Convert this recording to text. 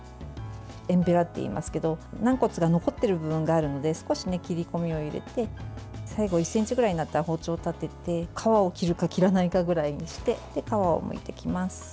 えんべらっていいますけど軟骨が残っている部分があるので少し切り込みを入れて最後１ｃｍくらいになったら包丁を立てて皮を切るか切らないかくらいにして皮をむいていきます。